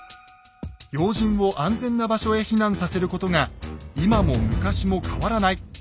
要人を安全な場所へ避難させることが今も昔も変わらない鉄則です。